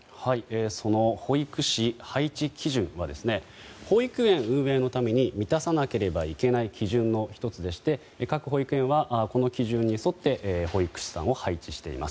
その保育士配置基準は保育園運営のために満たさなければいけない基準の１つでして各保育園はこの基準に沿って保育士さんを配置しています。